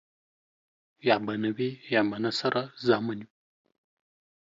يا به نه وي ،يا به نه سره زامن وي.